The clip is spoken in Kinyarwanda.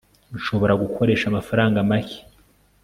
Nshobora gukoresha amafaranga make